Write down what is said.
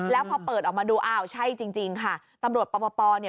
แล้วพอเปิดออกมาดูอ้าวใช่จริงค่ะตำรวจปปเนี่ย